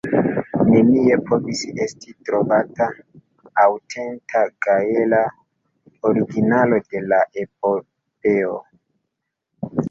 Nenie povis esti trovata aŭtenta gaela originalo de la epopeo.